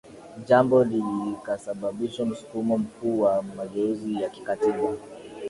Jambo likasababisha msukumo mkuu wa mageuzi ya kikatiba